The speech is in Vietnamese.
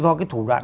do cái thủ đoạn